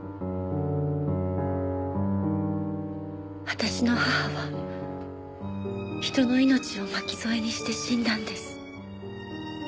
私の母は人の命を巻き添えにして死んだんです。